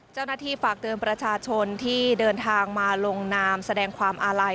เจ้าหน้าที่ฝากเตือนประชาชนที่เดินทางมาลงนามแสดงความอาลัย